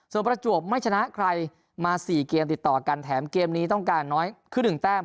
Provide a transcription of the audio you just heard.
ส่วนประจวบไม่ชนะใครมา๔เกมติดต่อกันแถมเกมนี้ต้องการน้อยคือ๑แต้ม